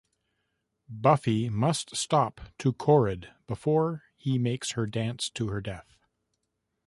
Buffy must stop to korred before he makes her dance to her death.